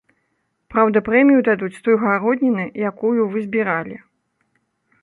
Праўда, прэмію дадуць з той гародніны, якую вы збіралі.